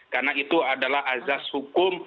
karena itu adalah azas hukum